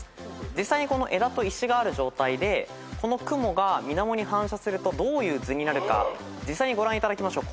実際にこの枝と石がある状態でこの雲が水面に反射するとどういう図になるか実際にご覧いただきましょう。